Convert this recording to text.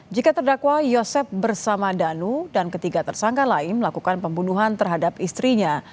jika terdakwa yosep bersama danu dan ketiga tersangka lain melakukan pembunuhan terhadap istrinya